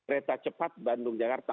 reta cepat bandung jakarta